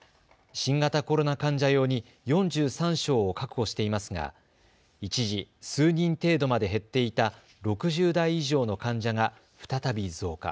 新型コロナ患者用に４３床を確保していますが一時、数人程度まで減っていた６０代以上の患者が再び増加。